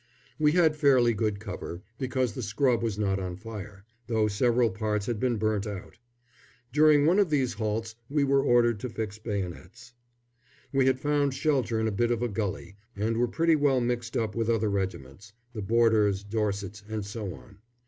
We had fairly good cover, because the scrub was not on fire, though several parts had been burnt out. During one of these halts we were ordered to fix bayonets. We had found shelter in a bit of a gulley, and were pretty well mixed up with other regiments the Borders, Dorsets, and so on.